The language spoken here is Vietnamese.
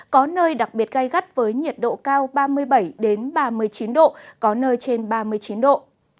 có nơi đặc biệt gai gắt với nhiệt độ cao ba mươi bảy ba mươi chín độ có nơi trên ba mươi chín độ